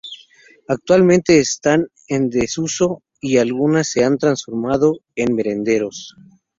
Actualmente están en desuso y algunas se han transformado en merenderos.